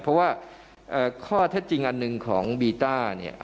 เพราะว่าข้อเท็จจริงอันหนึ่งของบีต้าเนี่ย